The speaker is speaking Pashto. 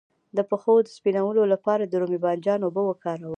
د پښو د سپینولو لپاره د رومي بانجان اوبه وکاروئ